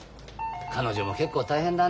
彼女も結構大変だな。